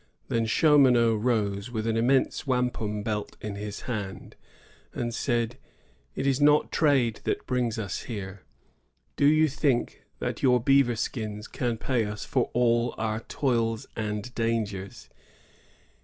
Then Chaumonot rose, with an immense wampum belt in his hand, and said: ^It is not trade that brings us here. Do you think that your beavernskins can pay us for all our toils and dangers?